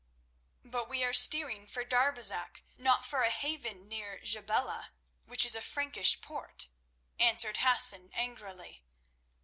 "But we are steering for Darbesak, not for a haven near Jebela, which is a Frankish port," answered Hassan, angrily.